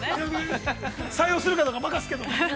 ◆採用するかどうか任せるけども。